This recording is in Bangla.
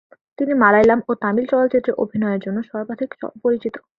তিনি মালয়ালম ও তামিল চলচ্চিত্রে অভিনয়ের জন্য সর্বাধিক পরিচিত।